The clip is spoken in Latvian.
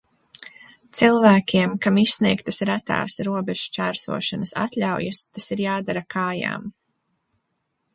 Cilvēkiem, kam izsniegtas retās robežšķērsošanas atļaujas, tas ir jādara kājām.